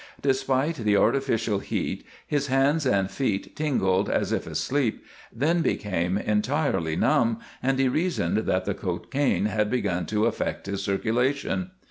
Despite the artificial heat his hands and feet tingled, as if asleep, then became entirely numb, and he reasoned that the cocaine had begun to affect his circulation.